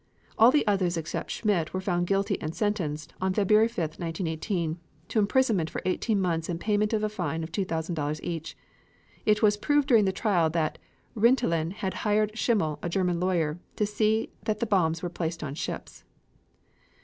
All the others except Schmidt were found guilty and sentenced, on February 5, 1918, to imprisonment for eighteen months and payment of a fine of $2,000 each. It was proved during the trial that Rintelen had hired Schimmel, a German lawyer, to see that bombs were placed on ships.